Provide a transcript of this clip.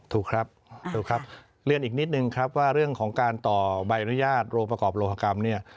ถูกครับถูกครับเรียนอีกนิดนึงครับว่าเรื่องของการต่อใบอนุญาตโรงประกอบโลหกรรมเนี่ย